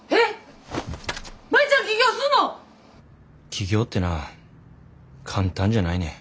起業ってな簡単じゃないねん。